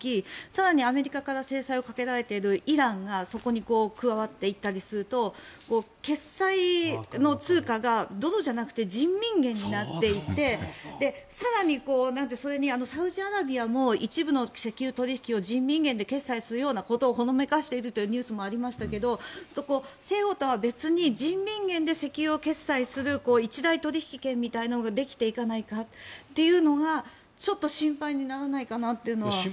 更にアメリカから制裁をかけられているイランがそこに加わっていったりすると決済の通貨がドルじゃなくて人民元になっていって更にそれにサウジアラビアも一部の石油取引を人民元で決済するようなことをほのめかしているというニュースもありますが世論とは別に人民元で石油を決済する一元取引圏みたいなのができていかないかというのがちょっと心配にならないかなとは。